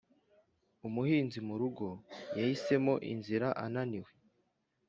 umuhinzi murugo yahisemo inzira ananiwe,